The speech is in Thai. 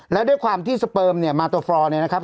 แล้วด้วยความที่สเปิมเนี่ยมาโตฟรอเนี่ยนะครับ